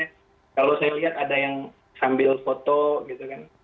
kalau saya lihat ada yang sambil foto gitu kan